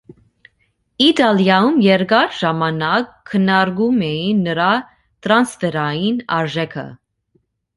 Իտալիայում երկար ժամանակ քննարկում էին նրա տրանսֆերային արժեքը։